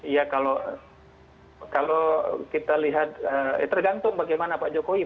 ya kalau kita lihat tergantung bagaimana pak joko widodo